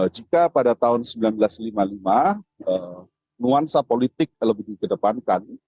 jika pada tahun seribu sembilan ratus lima puluh lima nuansa politik lebih dikedepankan